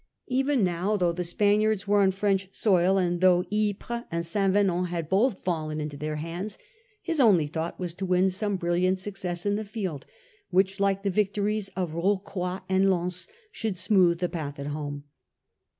Even now, though the Spaniards were on French soil, and though Yprcs and St. Venant had both fallen into their hands, his only thought was to win some brilliant success in the field, which, like the victories of Rocroy and Lens, should smooth the path at home.